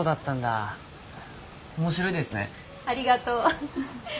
ありがとう。